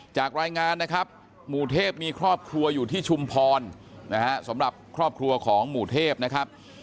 จากรายงานนะครับหมู่เทพมีครอบครัวอยู่ที่ชุมพรนะฮะสำหรับครอบครัวของหมู่เทพนะครับ